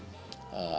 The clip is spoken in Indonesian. jadi beban di kantor